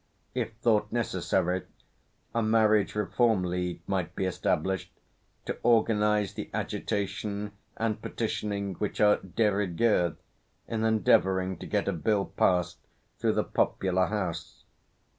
If thought necessary, a Marriage Reform League might be established, to organize the agitation and petitioning which are de rigueur, in endeavouring to get a bill passed through the popular House.